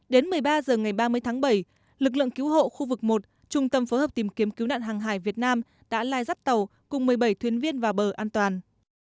đến một mươi ba h ngày ba mươi tháng bảy lực lượng cứu hộ khu vực một trung tâm phối hợp tìm kiếm cứu nạn hàng hải việt nam đã lai rắt tàu cùng một mươi bảy thuyền viên vào bờ an toàn